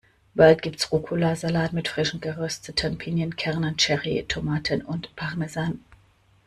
Bald gibt's Rucola-Salat mit frisch gerösteten Pinienkernen, Cherry-Tomaten und Parmesan.